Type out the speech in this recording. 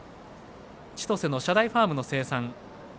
千歳の社台ファームの生産。